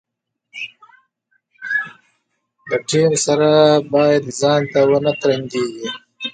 له ټیم سره باید ځانته ونه ترنګېږي.